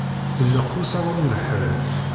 Ineqq usaru n leḥrir?